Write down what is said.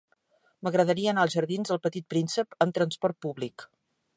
M'agradaria anar als jardins d'El Petit Príncep amb trasport públic.